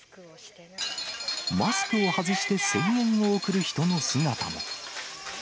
マスクを外して声援を送る人の姿も。